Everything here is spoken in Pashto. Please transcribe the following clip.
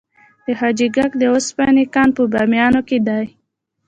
د حاجي ګک د وسپنې کان په بامیان کې دی